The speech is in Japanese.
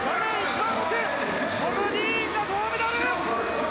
トム・ディーンが銅メダル。